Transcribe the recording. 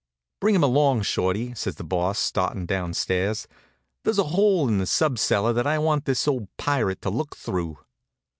"Bring him along, Shorty," says the Boss, starting downstairs. "There's a hole in the sub cellar that I want this old pirate to look through."